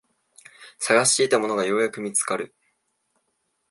探していたものがようやく見つかる